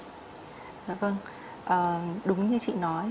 dạ vâng đúng như chị nói